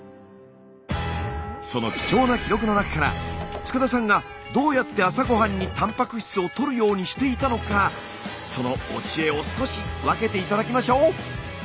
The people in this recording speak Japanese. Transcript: その貴重な記録の中から塚田さんがどうやって朝ごはんにたんぱく質をとるようにしていたのかそのお知恵を少し分けて頂きましょう！